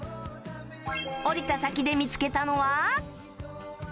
降りた先で見つけたのは